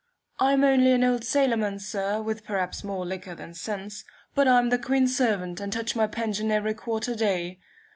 I'm only an old sailor man, sir, with perhaps more liquor than sense; but I'm the Queen's servant, and touch my pension every quarter day.